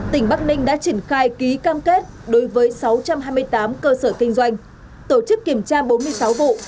tỉnh bắc ninh đã triển khai ký cam kết đối với sáu trăm hai mươi tám cơ sở kinh doanh tổ chức kiểm tra bốn mươi sáu vụ